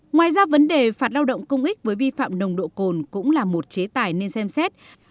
ngoài ra vấn đề phạt lao động công ích với vi phạm nồng độ cồn cũng là một chế tài nên xem xét